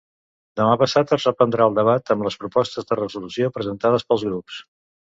Demà passat es reprendrà el debat amb les propostes de resolució presentades pels grups.